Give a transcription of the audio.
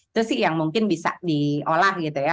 itu sih yang mungkin bisa diolah gitu ya